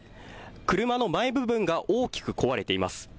車の前部分が大きく壊れています。